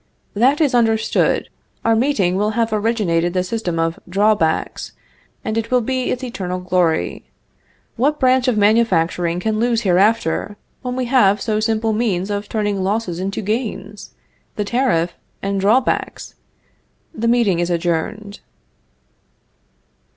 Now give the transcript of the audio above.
That is understood. Our meeting will have originated the system of drawbacks, and it will be its eternal glory. What branch of manufacturing can lose hereafter, when we have two so simple means of turning losses into gains the tariff and drawbacks. The meeting is adjourned."